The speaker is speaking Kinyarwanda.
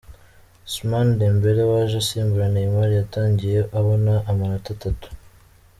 Ousmane Dembele waje asimbura Neymar yatangiye abona amanota atatu.